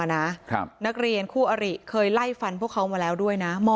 นักเรียนคู่อริเคยไล่ฟันพวกเขามาแล้วด้วยนะ